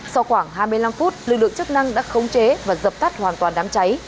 sau khoảng hai mươi năm phút lực lượng chức năng đã khống chế và dập tắt hoàn toàn đám cháy